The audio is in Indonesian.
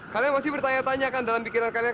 kalian pasti bertanya tanya kan dalam pikiran kalian